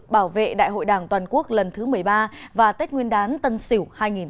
bảo vệ đại hội đảng toàn quốc lần thứ một mươi ba và tết nguyên đán tân sỉu hai nghìn hai mươi một